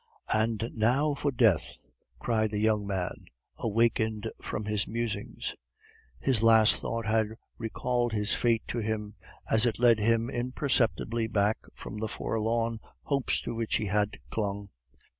"And now for death!" cried the young man, awakened from his musings. His last thought had recalled his fate to him, as it led him imperceptibly back from the forlorn hopes to which he had clung.